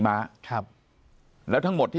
ปากกับภาคภูมิ